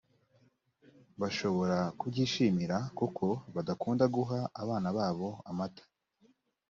bashobora kubyishimira kuko badakunda guha abana babo amata